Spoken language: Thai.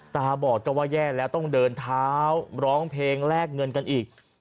ตาบอดก็ว่าแย่แล้วต้องเดินเท้าร้องเพลงแลกเงินกันอีก